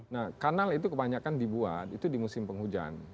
nah kanal itu kebanyakan dibuat itu di musim penghujan